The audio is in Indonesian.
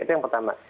itu yang pertama